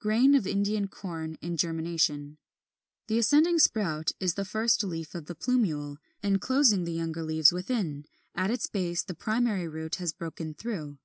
69. Grain of Indian Corn in germination, the ascending sprout is the first leaf of the plumule, enclosing the younger leaves within, at its base the primary root has broken through.